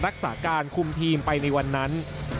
รักษาการคุมทีมไปในวันนั้น